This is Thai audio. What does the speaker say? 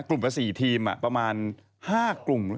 กลุ่มละ๔ทีมประมาณ๕กลุ่ม